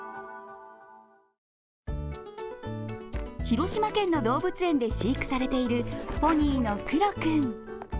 広島県の動物園で飼育されているポニーのクロ君。